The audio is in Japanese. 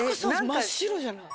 真っ白じゃない？